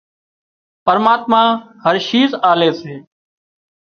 پرماتما هر شِيز آلي سي